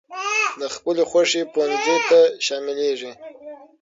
د خپلې خوښي پونځي ته شاملېږي.